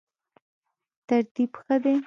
ترتیب ښه دی.